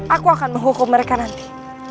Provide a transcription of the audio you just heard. aku akan menghukum mereka nanti